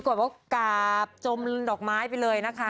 กราบจมดอกไม้ไปเลยนะคะ